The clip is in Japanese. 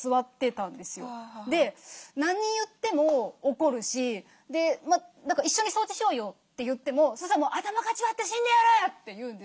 で何言っても怒るし「一緒に掃除しようよ」って言ってもそしたらもう「頭かち割って死んでやる！」って言うんですよ。